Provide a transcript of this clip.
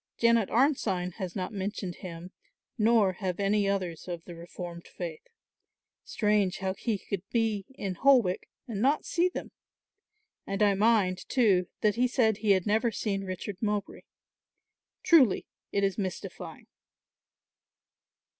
"Janet Arnside has not mentioned him nor have any others of the reformed faith. Strange how he could be in Holwick and not see them. And I mind too, that he said he had never seen Richard Mowbray. Truly it is mystifying."